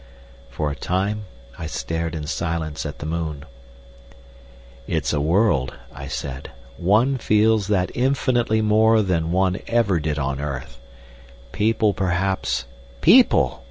For a time I stared in silence at the moon. "It's a world," I said; "one feels that infinitely more than one ever did on earth. People perhaps—" "People!"